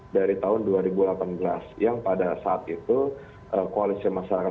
jadi kami mengkononim dan menarmai hal tersebut